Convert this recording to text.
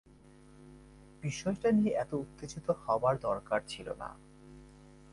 –বিষয়টা নিয়ে এতটা উত্তেজিত হবার দরকার ছিল না।